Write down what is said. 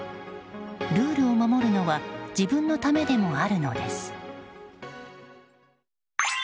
ルールを守るのは自分のためでもあるのです。